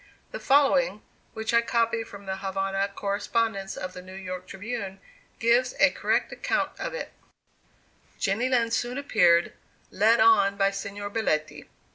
The following, which I copy from the Havana correspondence of the New York Tribune, gives a correct account of it: "Jenny Lind soon appeared, led on by Signor Belletti.